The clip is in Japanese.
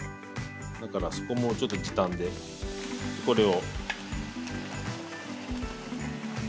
だからそこもちょっと時短でこれを。